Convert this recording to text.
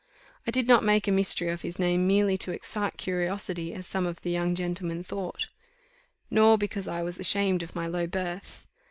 I did not make a mystery of his name merely to excite curiosity, as some of the young gentlemen thought, nor because I was ashamed of my low birth.